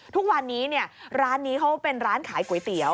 ทุกวันนี้ร้านนี้เขาเป็นร้านขายก๋วยเตี๋ยว